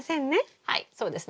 はいそうですね。